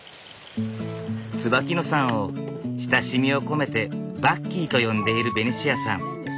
椿野さんを親しみを込めてバッキーと呼んでいるベニシアさん。